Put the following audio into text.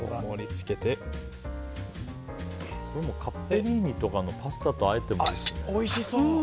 カッペリーニとかのパスタとあえてもいいですね。